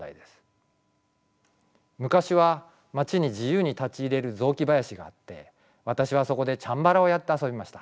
昔は街に自由に立ち入れる雑木林があって私はそこでチャンバラをやって遊びました。